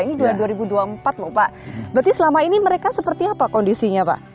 ini dua ribu dua puluh empat loh pak berarti selama ini mereka seperti apa kondisinya pak